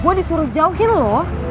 gue disuruh jauhin lo